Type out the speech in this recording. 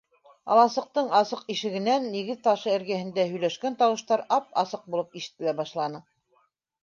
Аласыҡтың асыҡ ишегенән нигеҙ ташы эргәһендә һөйләшкән тауыштар ап-асыҡ булып ишетелә башланы.